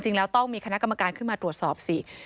จริงแล้วต้องมีคณะกรรมการขึ้นมาตรวจสอบสิ